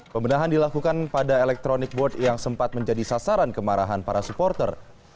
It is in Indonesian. pembenahan dilakukan pada electronic board yang sempat menjadi sasaran kemarahan para supporter